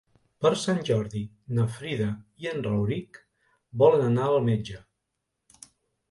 Per Sant Jordi na Frida i en Rauric volen anar al metge.